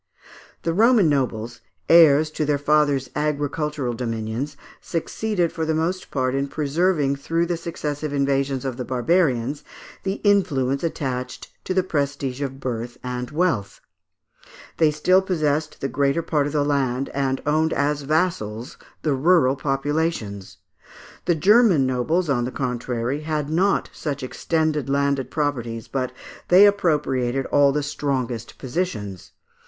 The Roman nobles, heirs to their fathers' agricultural dominions, succeeded for the most part in preserving through the successive invasions of the barbarians, the influence attached to the prestige of birth and wealth; they still possessed the greater part of the land and owned as vassals the rural populations. The Grerman nobles, on the contrary, had not such extended landed properties, but they appropriated all the strongest positions.